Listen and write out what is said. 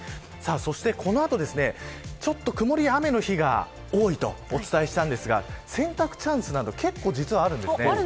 そしてこの後、曇りや雨の日が多いとお伝えしたんですが洗濯チャンスなど結構あるんです。